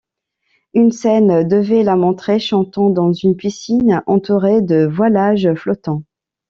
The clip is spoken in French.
Une scène devait la montrer, chantant dans une piscine, entourée de voilages flottants.